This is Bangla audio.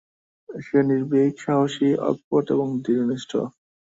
সে নির্ভীক, সাহসী, অকপট এবং দৃঢ়নিষ্ঠ।